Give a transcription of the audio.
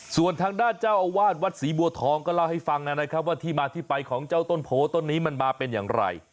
ส่วนทางด้านเจ้าอาวาสวัดศรีบัวทองก็เล่าให้ฟังนะครับว่าที่มาที่ไปของเจ้าต้นโพต้นนี้มันมาเป็นอย่างไร